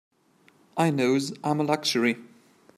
I knows I'm a luxury.